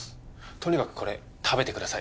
とにかくこれ食べてください